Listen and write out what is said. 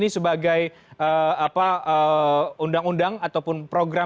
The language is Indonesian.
sekitar delapan ya